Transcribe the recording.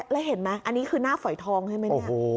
แล้วเห็นไหมอันนี้คือหน้าฝอยทองใช่ไหมเนี่ย